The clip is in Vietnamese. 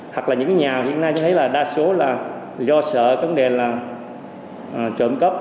hoặc là những cái nhà hiện nay chúng ta thấy là đa số là do sợ vấn đề là trộm cấp